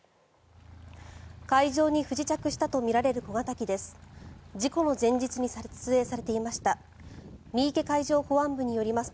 海上に不時着したとみられる小型機です。